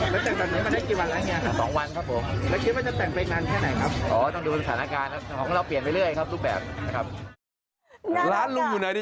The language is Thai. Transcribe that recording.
แล้วแต่จากนี้มาได้กี่วันแล้วเนี่ย